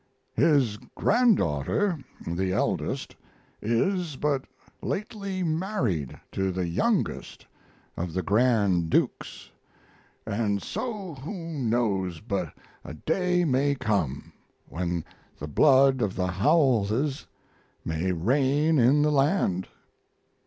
His granddaughter (the eldest) is but lately married to the youngest of the Grand Dukes, and so who knows but a day may come when the blood of the Howellses may reign in the land?